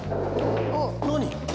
何？